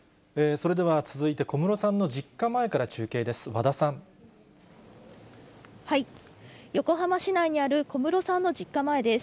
それでは続いて、小室さんの実家前から中継です。